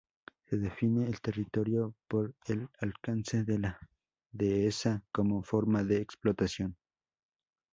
Se define el territorio por el alcance de la dehesa como forma de explotación.